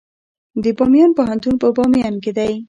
د بامیان پوهنتون په بامیان کې دی